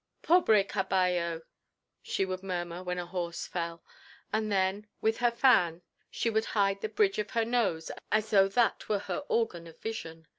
"Pobre caballo," she would murmur when a horse fell, and then with her fan she would hide the bridge of her nose as though that were her organ of vision.